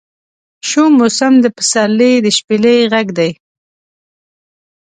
شو موسم د پسرلي د شپیلۍ غږدی